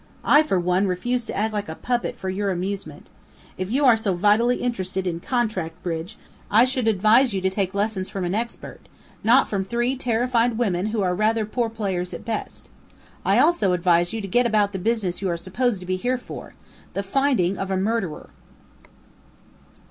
I, for one, refuse to act like a puppet for your amusement! If you are so vitally interested in contract bridge, I should advise you to take lessons from an expert, not from three terrified women who are rather poor players at best. I also advise you to get about the business you are supposed to be here for the finding of a murderer!"